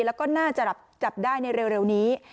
แล้วก็น่าจะจับได้ในเร็วนี้